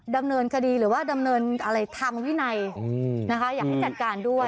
ดำเนินคดีหรือว่าดำเนินอะไรทางวินัยนะคะอยากให้จัดการด้วย